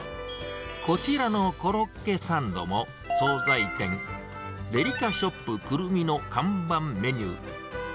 こちらのコロッケサンドも、総菜店、デリカショップくるみの看板メニュー。